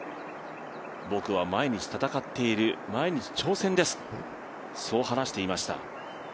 僕は毎日戦っている、毎日挑戦ですと話していました。